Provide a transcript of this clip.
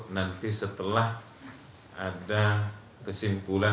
nanti setelah ada kesimpulan